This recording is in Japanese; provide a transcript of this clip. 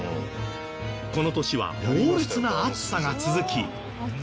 この年は猛烈な暑さが続き。